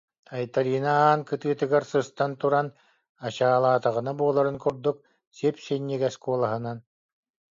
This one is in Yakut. Айталина аан кытыытыгар сыстан туран, ачаалаатаҕына буоларын курдук, сип-синньигэс куолаһынан: